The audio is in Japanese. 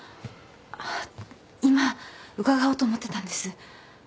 あっ今伺おうと思ってたんです。